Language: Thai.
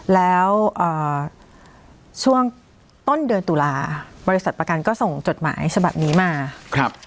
แล้วอ่าช่วงต้นเดือนตุลาบริษัทประกันก็ส่งจดหมายฉบับนี้มาครับ